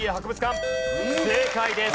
正解です。